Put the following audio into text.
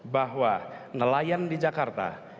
bahwa nelayan di jakarta